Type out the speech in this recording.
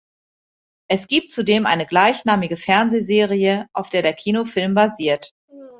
Es gibt zudem eine gleichnamige Fernsehserie, auf der der Kinofilm basiert.